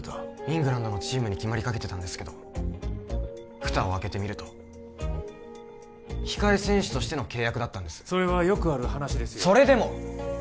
イングランドのチームに決まりかけてたんですけど蓋を開けてみると控え選手としての契約だったんですそれはよくある話ですよそれでも！